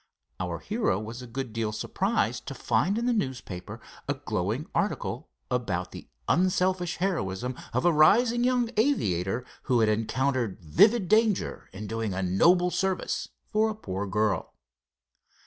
Our hero was a good deal surprised to find in the newspaper a glowing article about the unselfish heroism of a rising young aviator, who had encountered vivid danger in doing a noble service for a poor girl.